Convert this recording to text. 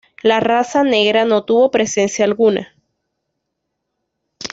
La raza negra no tuvo presencia alguna.